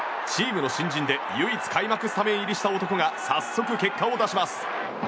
チームの新人で唯一開幕スタメン入りした男が早速、結果を出します。